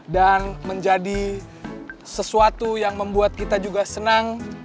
dan menjadi sesuatu yang membuat kita juga senang